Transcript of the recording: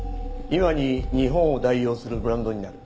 今に日本を代表するブランドになる。